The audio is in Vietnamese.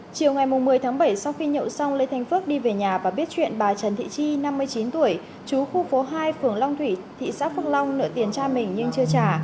chiều ngày một mươi tháng bảy sau khi nhậu xong lê thanh phước đi về nhà và biết chuyện bà trần thị chi năm mươi chín tuổi chú khu phố hai phường long thủy thị xã phước long nợ tiền cha mình nhưng chưa trả